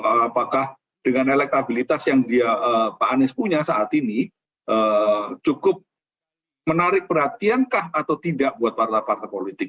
apakah dengan elektabilitas yang dia pak anies punya saat ini cukup menarik perhatiankah atau tidak buat partai partai politik